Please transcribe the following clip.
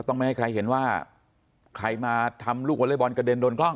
ไม่ให้ใครเห็นว่าใครมาทำลูกวอเล็กบอลกระเด็นโดนกล้อง